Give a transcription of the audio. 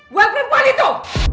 buat perempuan itu